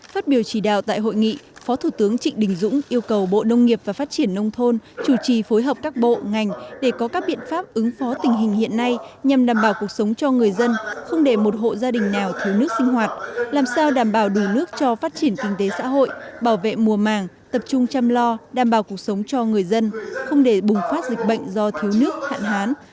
phát biểu chỉ đạo tại hội nghị phó thủ tướng trịnh đình dũng yêu cầu bộ nông nghiệp và phát triển nông thôn chủ trì phối hợp các bộ ngành để có các biện pháp ứng phó tình hình hiện nay nhằm đảm bảo cuộc sống cho người dân không để một hộ gia đình nào thiếu nước sinh hoạt làm sao đảm bảo đủ nước cho phát triển kinh tế xã hội bảo vệ mùa màng tập trung chăm lo đảm bảo cuộc sống cho người dân không để bùng phát dịch bệnh do thiếu nước hạn hán